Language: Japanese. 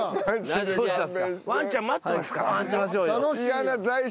ワンちゃん待ってますから。